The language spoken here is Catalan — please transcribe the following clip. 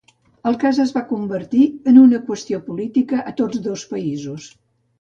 El cas es va convertir en una qüestió política a tots dos països.